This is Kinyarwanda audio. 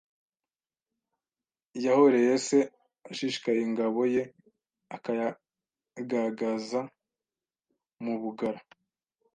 yahoreye se ashishikaye Ingabo ye akayagagaza mu bugara